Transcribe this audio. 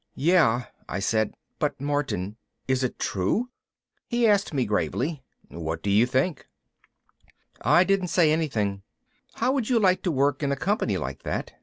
"Yeah," I said, "But Martin, is it true?" He asked me gravely, "What do you think?" I didn't say anything. "How would you like to work in a company like that?"